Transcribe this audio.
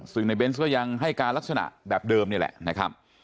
ซึ่งในเบนส์ก็ยังให้การลักษณะแบบเดิมนี่แหละนะครับ